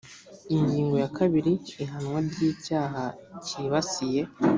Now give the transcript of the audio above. ingingo ya kabiri ihanwa ry icyaha cyibasiye